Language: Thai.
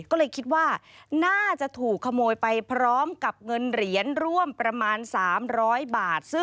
ก็เลยคิดว่าน่าจะถูกขโมยไปพร้อมกับเงินเหรียญร่วมประมาณ๓๐๐บาท